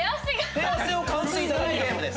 手汗を感じていただくゲームです。